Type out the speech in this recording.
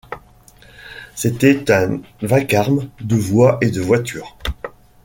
C’était un vacarme de voix et de voitures.